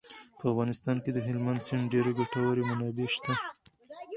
په افغانستان کې د هلمند سیند ډېرې ګټورې منابع شته.